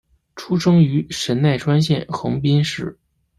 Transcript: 出生于神奈川县横滨市。